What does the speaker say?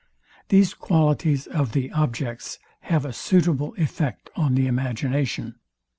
These qualities of the objects have a suitable effect on the imagination.